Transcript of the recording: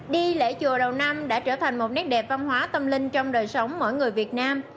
đi lễ chùa đầu năm đã trở thành một nét đẹp văn hóa tâm linh trong đời sống mỗi người việt nam